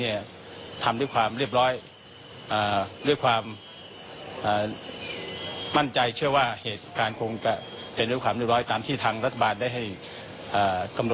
ที่ได้กำชัดสำงานวงชาติที่ให้ในบรรการ